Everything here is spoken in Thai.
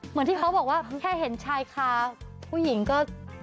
เหมือนที่เขาบอกว่าแค่เห็นชายคาผู้หญิงก็